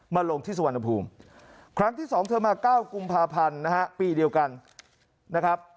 ลงที่สุวรรณภูมิครั้งที่๒เธอมา๙กุมภาพันธ์นะฮะปีเดียวกันนะครับ